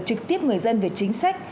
trực tiếp người dân về chính sách